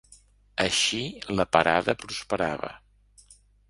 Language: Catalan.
Així la parada prosperava.